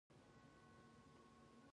هوارې ته ور پورته شوم، نیمه رڼا وه.